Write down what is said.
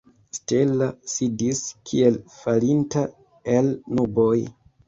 Stella sidis, kiel falinta el nuboj.